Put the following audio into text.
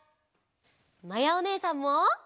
まやおねえさんも。